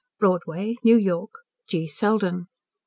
BROADWAY, NEW YORK. G. SELDEN.